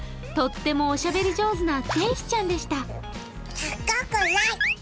とってもおしゃべり上手な天使ちゃんでした。